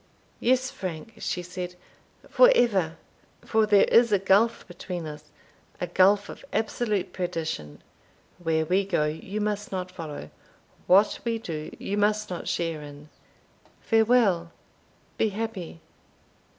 Yes, Frank," she said, "for ever! there is a gulf between us a gulf of absolute perdition; where we go, you must not follow what we do, you must not share in Farewell be happy!"